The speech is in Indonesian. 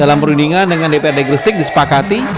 dalam perundingan dengan dprd gresik disepakati